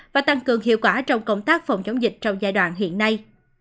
và tăng cường hiệu quả trong công tác phòng chống dịch trong giai đoạn hiện nay